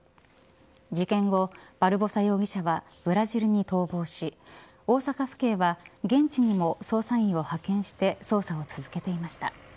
事件後、バルボサ容疑者はブラジルに逃亡し大阪府警が現地にも捜査員を派遣して捜査を続けていました。